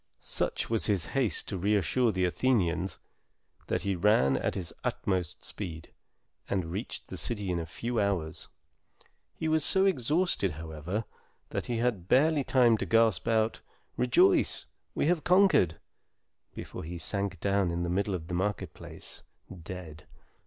Such was his haste to reassure the Athenians, that he ran at his utmost speed, and reached the city in a few hours. He was so exhausted, however, that he had barely time to gasp out, "Rejoice, we have conquered!" before he sank down in the middle of the market place, dead.